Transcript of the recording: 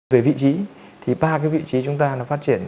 về vị trí thì ba cái vị trí chúng ta nó phát triển